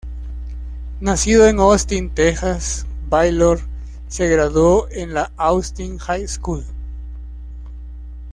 Nacido en Austin, Texas, Baylor se graduó en la Austin High School.